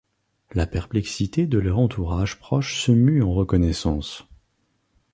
La perplexité de leurs entourages proches se mue en reconnaissance.